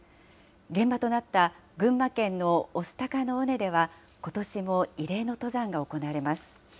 現場となった群馬県の御巣鷹の尾根では、ことしも慰霊の登山が行われます。